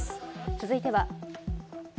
続いては。